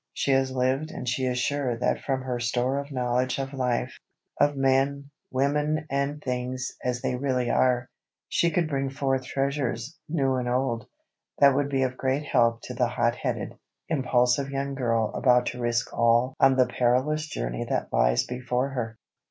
She has lived and she is sure that from her store of knowledge of life—of men, women and things as they really are—she could bring forth treasures, new and old, that would be of great help to the hot headed, impulsive young girl about to risk all on the perilous journey that lies before her.